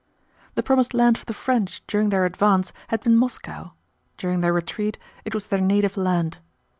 The promised land for the French during their advance had been Moscow, during their retreat it was their native land.